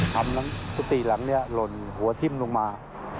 คำนั้นปฏิหรังนี้หล่นหัวทิ่มลงมา